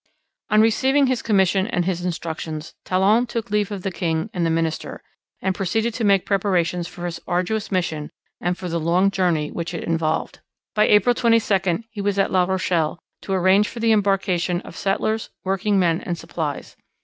On receiving his commission and his instructions, Talon took leave of the king and the minister, and proceeded to make preparations for his arduous mission and for the long journey which it involved. By April 22 he was at La Rochelle, to arrange for the embarkation of settlers, working men, and supplies.